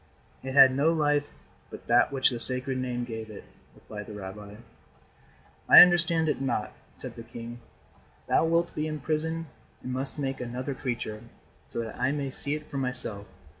"It had no life but that which the Sacred Name gave it," replied the rabbi. "I understand it not," said the king. "Thou wilt be imprisoned and must make another creature, so that I may see it for myself.